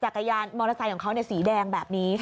จักรยานมอเตอร์ไซค์ของเขาเนี่ยสีแดงแบบนี้